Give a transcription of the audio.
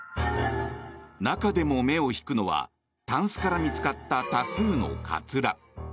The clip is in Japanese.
中でも目を引くのはたんすから見つかった多数のかつら。